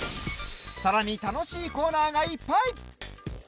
さらに楽しいコーナーがいっぱい。